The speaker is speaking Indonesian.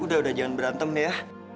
udah udah jangan berantem ya